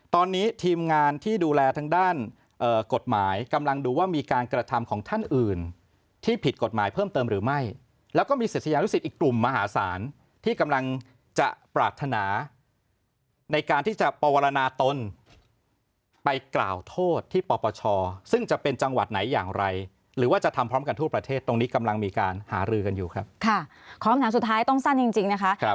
ตอนนี้ทีมงานที่ดูแลทางด้านกฎหมายกำลังดูว่ามีการกระทำของท่านอื่นที่ผิดกฎหมายเพิ่มเติมหรือไม่แล้วก็มีศิษยานุสิตอีกกลุ่มมหาศาลที่กำลังจะปรารถนาในการที่จะปวนาตนไปกล่าวโทษที่ปปชซึ่งจะเป็นจังหวัดไหนอย่างไรหรือว่าจะทำพร้อมกันทั่วประเทศตรงนี้กำลังมีการหารือกันอยู่ครับค่ะขอคำถามสุดท้ายต้องสั้นจริงจริงนะคะ